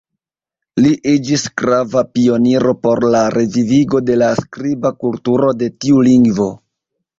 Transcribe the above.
Li iĝis grava pioniro por la revivigo de la skriba kulturo de tiu lingvo.